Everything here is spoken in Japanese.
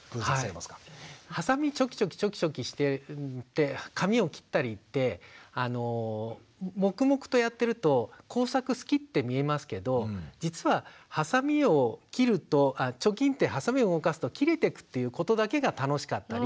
はさみチョキチョキしてて紙を切ったりって黙々とやってると工作好きって見えますけど実ははさみを切るとチョキンってはさみを動かすと切れてくということだけが楽しかったり。